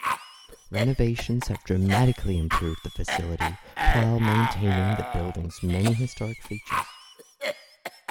Renovations have dramatically improved the facility while maintaining the building's many historic features.